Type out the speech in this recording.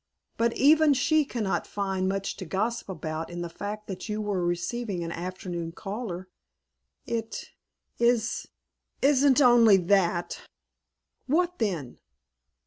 But even she cannot find much to gossip about in the fact that you were receiving an afternoon caller." "It is is n't only that!" "What, then?"